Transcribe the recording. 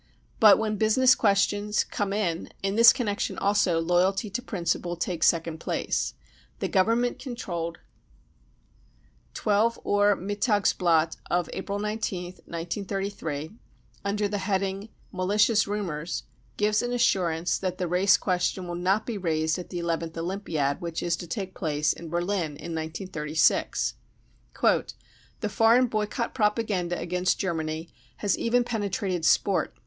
But when business questions come in, in this connection also loyalty to principle takes second place. The Government controlled 12 U hr Mi ltags~Bla it of April 19th, 1933, under the heading " Malicious Rumours " gives an assurance that the race question will not be raised at the Eleventh Olympiad, which is to take place in Berlin in 1936 :" The foreign boycott propaganda against Germany has even penetrated sport.